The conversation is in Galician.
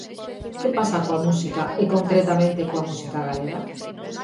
Que pasa coa música e concretamente coa música galega?